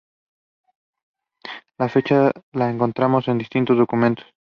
La fecha la encontramos en distintos los documentos.